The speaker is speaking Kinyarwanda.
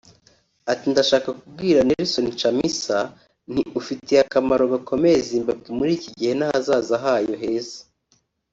Ati “Ndashaka kubwira Nelson Chamisa nti ‘ufitiye akamaro gakomeye Zimbabwe muri iki gihe n’ahazaza hayo heza